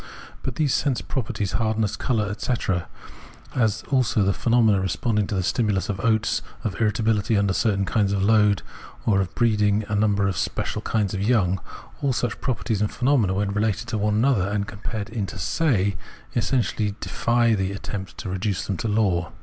But these sense properties, hardness, colour, etc, as also the phenomena of responding to the stimulus of oats, of irritability under a certain kind of load, or of 264 Phenomenology of Mind breeding a number and specific kind of young,— all such, properties and phenomena, when related to one another and compared inter se, essentially defy the attempt to reduce them to law.